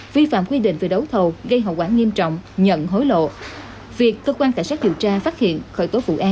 vi phạm quy định về đấu thầu gây hậu quả nghiêm trọng nhận hối lộ